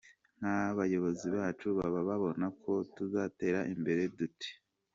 Nk’abayobozi bacu baba babona ko tuzatera imbere dute?”.